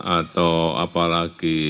atau apa lagi